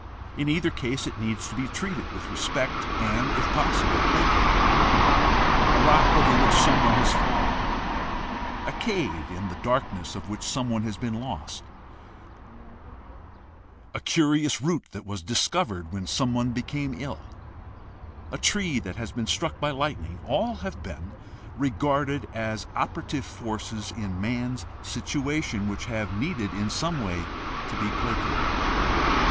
In either case it needs to be treated with respect and, if possible, placated. A rock over which someone has fallen, a cave in the darkness of which someone has been lost, a curious root that was discovered when someone became ill, a tree that has been struck by lightning — all have been regarded as operative forces in man's situation which have needed in some way to be placated.